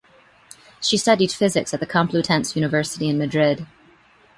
She studied physics at the Complutense University in Madrid.